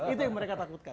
itu yang mereka takutkan